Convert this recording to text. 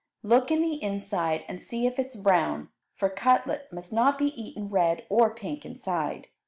Look in the inside and see if it is brown, for cutlet must not be eaten red or pink inside.